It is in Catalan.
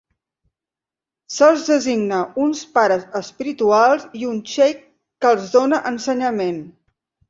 Se'ls designen uns pares espirituals i un xeic que els dóna ensenyament.